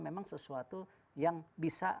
memang sesuatu yang bisa